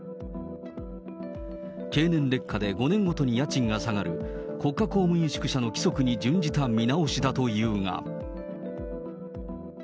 経年劣化で５年ごとに家賃が下がる、国家公務員宿舎の規則に準じた見直しだというが。